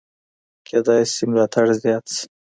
کېدای سي ملاتړ زیات سي.